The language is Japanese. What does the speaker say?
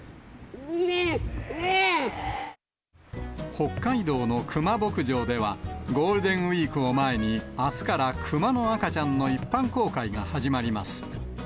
北海道のクマ牧場では、ゴールデンウィークを前に、あすからクマの赤ちゃんの一般公開が始まります。